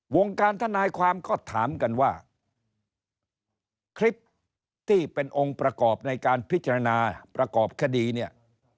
วงการทนายความก็ถามกันว่าคลิปที่เป็นองค์ประกอบในการพิจารณาประกอบคดีเนี่ย